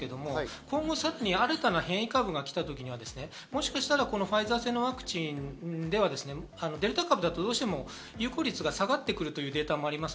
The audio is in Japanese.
この先、新たな変異株が来た時、もしかしたらこのファイザー製のワクチンではデルタ株だとどうしても有効率が下がるというデータもあります。